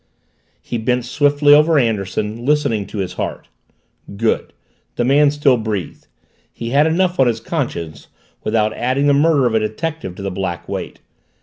He bent swiftly over Anderson, listening to his heart. Good the man still breathed; he had enough on his conscience without adding the murder of a detective to the black weight.